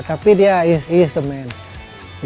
tapi dia adalah lelaki